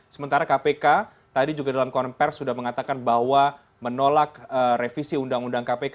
sementara kpk tadi juga dalam konfer sudah mengatakan bahwa menolak revisi ruu kpk